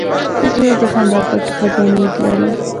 زړه د خندا پټ خزانې لري.